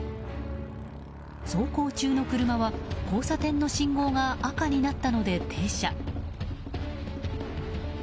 走行中の車は、交差点の信号が赤になったので停車。